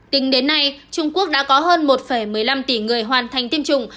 tính đến nay trung quốc đã có hơn một một mươi năm tỷ người hoàn thành tiêm chủng